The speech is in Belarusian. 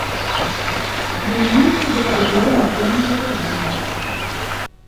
Дамінуючай была ідэя наземнага ўварвання.